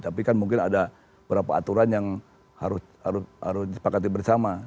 tapi kan mungkin ada beberapa aturan yang harus disepakati bersama